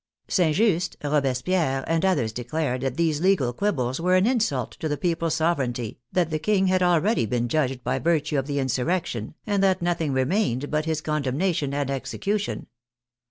St. Just, Robespierre, and others declared that these legal quibbles were an insult to the people's sov ereignty, that the King had already been judged by vir tue of the insurrection, and that nothing remained but his condemnation and execution.